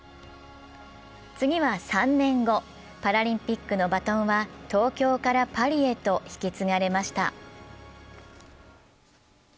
次は３年後、パラリンピックのバトンは東京からパリへと引き継がれました。